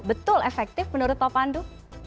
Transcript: betul efektif menurut pak pandu